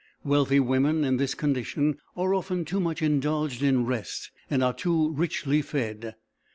Wealthy women in this condition are often too much indulged in rest and are too richly fed.